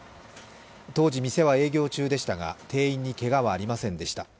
当時、店は営業中でしたが店員にけがはありませんでした。